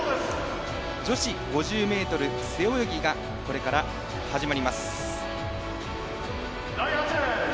女子５０ｍ背泳ぎがこれから始まります。